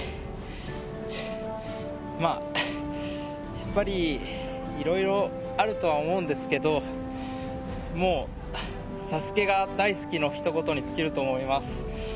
やっぱり、いろいろあるとは思うんですけど、もうＳＡＳＵＫＥが大好きのひと言に尽きると思います。